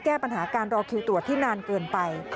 แก้ปัญหาการรอคิวตรวจที่นานเกินไป